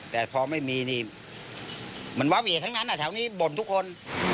แต่พอไม่มีนี่มันวาเวทั้งนั้นแถวนี้บ่นทุกคน